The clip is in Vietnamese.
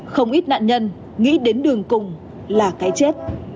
không ít nạn nhân nghĩ đến đường cùng là cái chết